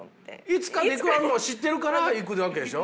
いつか陸あるのを知ってるから行くわけでしょ。